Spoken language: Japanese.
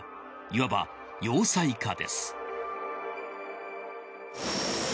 いわば要塞化です。